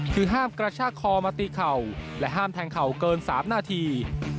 คือห้ามกระชากคอมาตีเข่าและห้ามแทงเข่าเกิน๓นาที